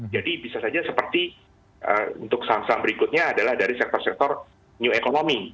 jadi bisa saja seperti untuk saham saham berikutnya adalah dari sektor sektor new economy